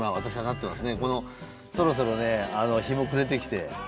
そろそろね日も暮れてきて。